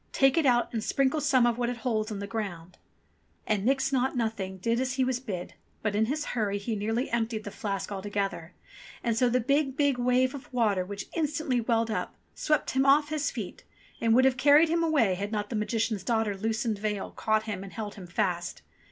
Take it out and sprinkle some of what it holds on the ground." And Nix Naught Nothing did as he was bid ; but in his hurry he nearly emptied the flask altogether ; and so the big, big wave of water which instantly welled up, swept him off his feet, and would have carried him away, had not the Magician's daughter's loosened veil caught him and held him fast.